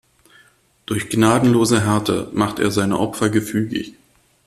Durch gnadenlose Härte macht er seine Opfer gefügig.